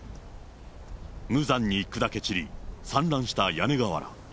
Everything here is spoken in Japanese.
無残に砕け散り、散乱した屋根瓦。